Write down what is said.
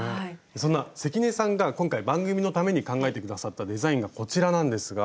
そんな関根さんが今回番組のために考えて下さったデザインがこちらなんですが。